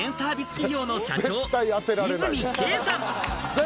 企業の社長、出水慶さん。